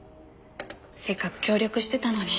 せっかく協力してたのに。